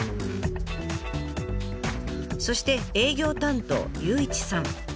そして営業担当祐一さん。